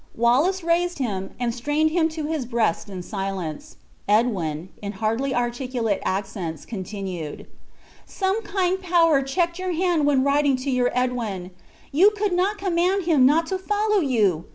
Wallace raised him, and strained him to his breast in silence. Edwin, in hardly articulate accents, continued: "Some kind power checked your hand when writing to your Edwin. You could not command him not to follow you!